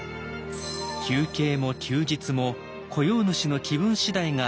休憩も休日も雇用主の気分次第が当たり前だった